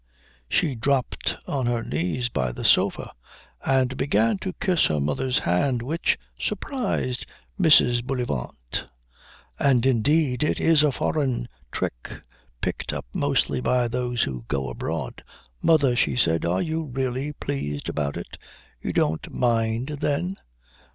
She dropped on her knees by the sofa and began to kiss her mother's hand, which surprised Mrs. Bullivant; and indeed it is a foreign trick, picked up mostly by those who go abroad. "Mother," she said, "are you really pleased about it? You don't mind then?"